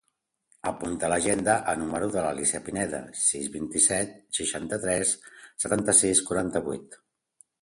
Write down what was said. Apunta a l'agenda el número de l'Alícia Pineda: sis, vint-i-set, seixanta-tres, setanta-sis, quaranta-vuit.